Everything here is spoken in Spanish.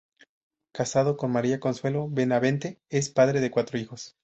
Casado con María Consuelo Benavente, es padre de cuatro hijos.